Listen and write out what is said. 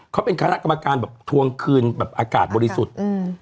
เขาเป็นคณะกรรมการแบบทวงคืนแบบอากาศบริสุทธิ์อืม